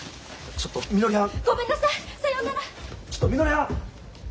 ちょっとみのりはん！